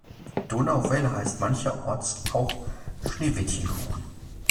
Donauwelle heißt mancherorts auch Schneewittchenkuchen.